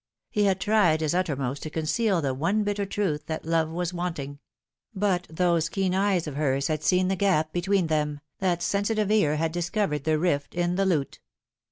He had tried his uttermost to conceal the one bitter truth that love was wanting; but those keen eyes of hers had seen the gap between them, that sensitive ear had discovered tne rift in the lute.